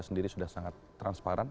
sendiri sudah sangat transparan